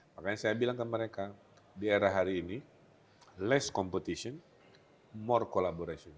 makanya saya bilang ke mereka di era hari ini less competition more collaboration